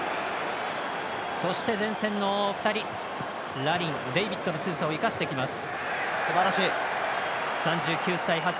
そして、前線の２人ラリン、デイビッドが強さを生かしていきます。